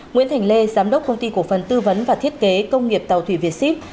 nguyễn thành lê giám đốc công ty cổ phần tư vấn và thiết kế công nghiệp tàu thủy việt ship